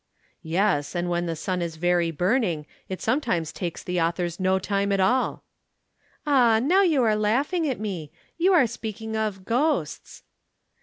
"Yes, and when the sun is very burning, it sometimes takes the authors no time at all." "Ah, now you are laughing at me. You are speaking of 'ghosts.'"